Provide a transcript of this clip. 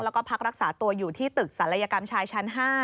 แล้วก็พักรักษาตัวอยู่ที่ตึกศัลยกรรมชายชั้น๕